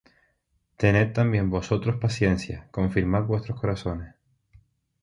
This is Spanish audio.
Tened también vosotros paciencia; confirmad vuestros corazones: